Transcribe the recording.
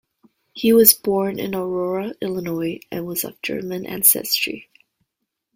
He was born in Aurora, Illinois, and was of German ancestry.